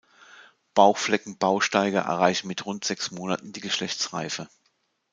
Bauchflecken-Bausteiger erreichen mit rund sechs Monaten die Geschlechtsreife.